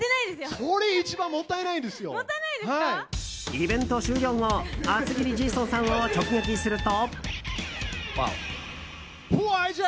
イベント終了後厚切りジェイソンさんを直撃すると。